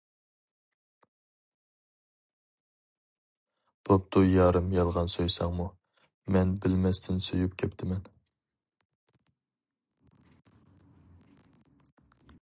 بوپتۇ يارىم يالغان سۆيسەڭمۇ، مەن بىلمەستىن سۆيۈپ كەپتىمەن.